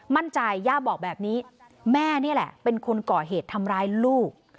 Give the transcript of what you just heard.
ย่าบอกแบบนี้แม่นี่แหละเป็นคนก่อเหตุทำร้ายลูก